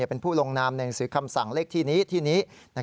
เป็นผู้ลงนามหนังสือคำสั่งเลขที่นี้ที่นี้